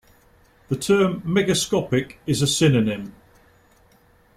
The term "megascopic" is a synonym.